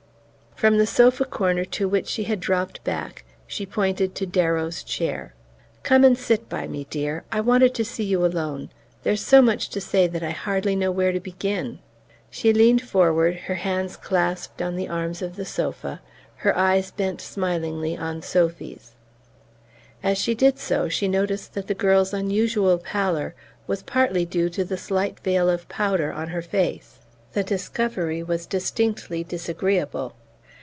From the sofa corner to which she had dropped back she pointed to Darrow's chair. "Come and sit by me, dear. I wanted to see you alone. There's so much to say that I hardly know where to begin." She leaned forward, her hands clasped on the arms of the sofa, her eyes bent smilingly on Sophy's. As she did so, she noticed that the girl's unusual pallour was partly due to the slight veil of powder on her face. The discovery was distinctly disagreeable.